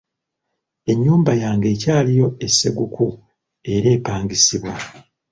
Ennyumba yange ekyaliyo e Sseguku era epangisibwa.